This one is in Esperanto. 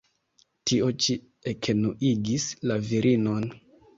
Tio ĉi ekenuigis la virinon.